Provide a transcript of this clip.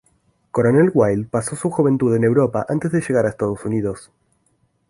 Cornel Wilde pasó su juventud en Europa antes de llegar a Estados Unidos.